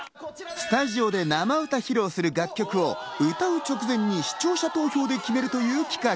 スタジオで生歌披露する楽曲を歌う直前に視聴者投票で決めるという企画。